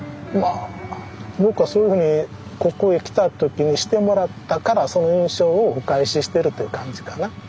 まあ僕はそういうふうにここへ来た時にしてもらったからその印象をお返ししてるという感じかな。